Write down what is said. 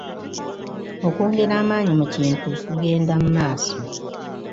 Okwongera amaanyi mu kintu kugenda mu maaso.